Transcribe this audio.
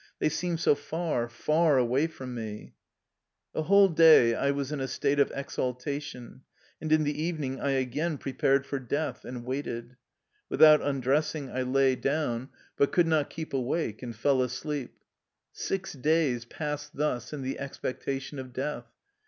They seemed so far, far away from me. The whole day I was in a state of exaltation, and in the evening I again prepared for death, and waited. Without undressing, I lay down, 160 THE LIFE STOEY OF A EUSSIAN EXILE but could not keep awake and fell asleep. Six days passed thus in the expectation of death.